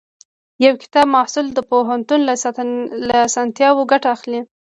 یو کامیاب محصل د پوهنتون له اسانتیاوو ګټه اخلي.